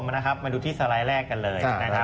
มาดูที่สไลด์แรกกันเลย